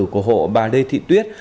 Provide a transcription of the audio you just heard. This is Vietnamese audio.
của hộ bà lê thị tuyết